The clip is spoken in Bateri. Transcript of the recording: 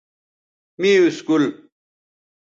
می اسکول